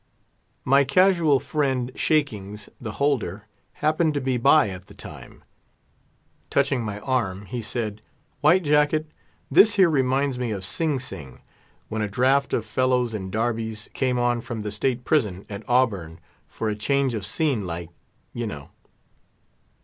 My casual friend, Shakings, the holder, happened to be by at the time. Touching my arm, he said, "White Jacket, this here reminds me of Sing Sing, when a draft of fellows in darbies, came on from the State Prison at Auburn for a change of scene like, you know!"